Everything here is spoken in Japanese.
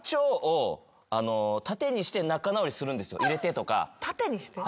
入れてとか。